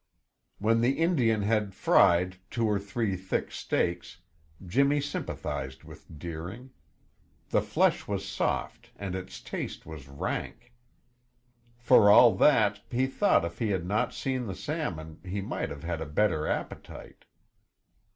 When the Indian had fried two or three thick steaks, Jimmy sympathized with Deering. The flesh was soft and its taste was rank. For all that, he thought if he had not seen the salmon he might have had a better appetite.